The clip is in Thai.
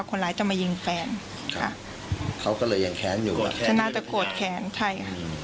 คนร้ายจะมายิงแฟนเขาก็เลยอยากแขนอยู่จะน่าจะกดแขนใช่